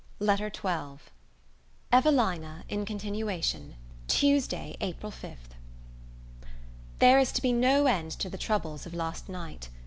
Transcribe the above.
LETTER XII EVELINA IN CONTINUATION Tuesday, April 5. THERE is to be no end to the troubles of last night.